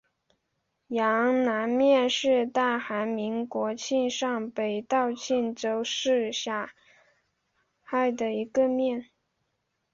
阳南面是大韩民国庆尚北道庆州市下辖的一个面。